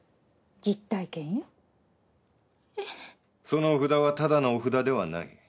そのお札はただのお札ではない。